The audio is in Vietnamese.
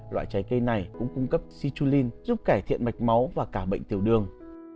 loại trái cây này cũng cung cấp shichulin giúp cải thiện mạch máu và cả bệnh tiểu đường